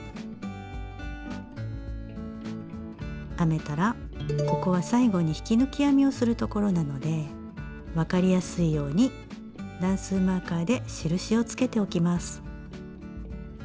編めたらここは最後に引き抜き編みをするところなのでわかりやすいように段数マーカーで印をつけておきます。